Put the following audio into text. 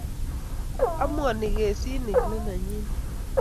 amuani kesinik let nenyine